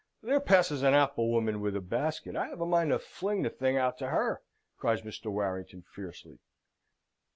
"There passes an apple woman with a basket. I have a mind to fling the thing out to her!" cries Mr. Warrington, fiercely.